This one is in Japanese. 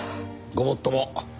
ごもっとも。